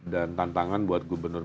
dan tantangan buat gubernur